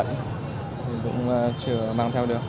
mình cũng chưa mang theo được